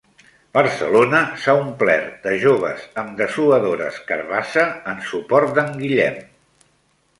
Barcelona s'ha omplert de joves amb dessuadores carabassa en suport d'en Guillem